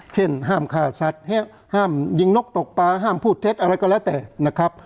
เช่นห้ามฆ่าสัตว์ห้ามยิงนกตกปลาห้ามพูดเท็จอะไรก็แล้วแต่นะครับ